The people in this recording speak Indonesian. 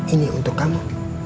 ini untuk kamu